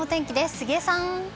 杉江さん。